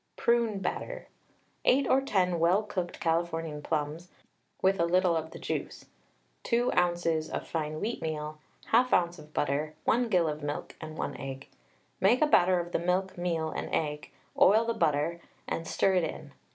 PRUNE BATTER. 8 or 10 well cooked Californian plums, with a little of the juice, 2 oz. of fine wheatmeal, 1/2 oz. of butter, 1 gill of milk, and 1 egg. Make a batter of the milk, meal, and egg, oil the butter, and stir it in.